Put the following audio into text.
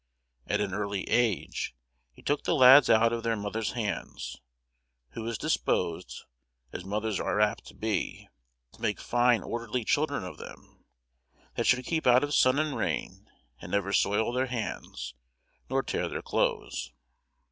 At an early age he took the lads out of their mother's hands, who was disposed, as mothers are apt to be, to make fine orderly children of them, that should keep out of sun and rain, and never soil their hands, nor tear their clothes.